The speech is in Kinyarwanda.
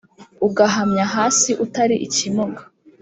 Ugahamya hasi utari ikimuga